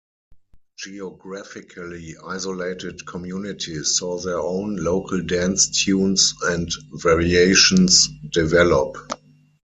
Geographically isolated communities saw their own local dance tunes and variations develop.